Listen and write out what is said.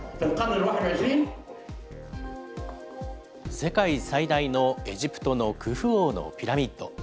世界最大のエジプトのクフ王のピラミッド。